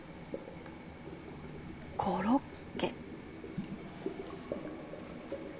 コロッケ。